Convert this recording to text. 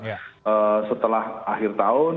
ee setelah akhir tahun